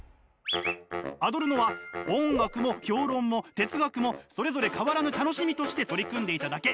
アドルノは音楽も評論も哲学もそれぞれ変わらぬ楽しみとして取り組んでいただけ。